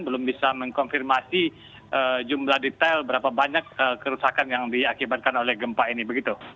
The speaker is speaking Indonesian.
belum bisa mengkonfirmasi jumlah detail berapa banyak kerusakan yang diakibatkan oleh gempa ini begitu